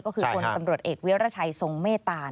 ก็คือคนตำรวจเอกวิรัชัยทรงเมตตา